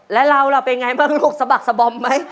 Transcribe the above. แล้วเราล่ะเป็นไงบ้างลูกสะบักสะบอมไหม